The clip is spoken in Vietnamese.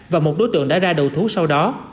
và một đối tượng đã ra đầu thú sau đó